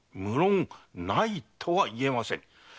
無論ないとは言えません。